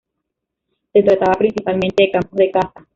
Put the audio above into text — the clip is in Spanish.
Se trataba principalmente de campos de caza.